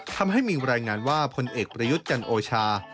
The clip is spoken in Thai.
ทำให้มีรายงานว่าพลเอกประยุทธ์จันโอชา